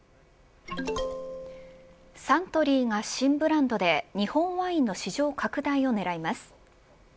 サントリーが新ブランドで日本ワインの市場拡大を狙います。